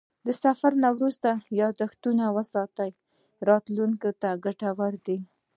د سفر نه وروسته یادښتونه وساته، راتلونکي ته ګټور دي.